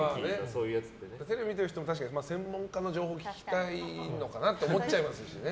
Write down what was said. テレビ見てる人専門家の情報聞きたいのかなって思っちゃいますしね。